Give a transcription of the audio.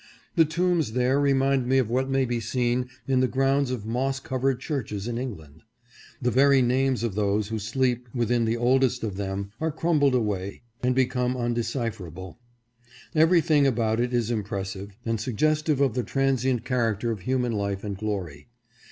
The tombs there remind one of what may be seen in the grounds of moss covered churches in England. The very names of those who sleep within the oldest of them are crumbled away and become undecipherable. Every thing about it is impressive, and suggestive of the tran sient character of human life and glory.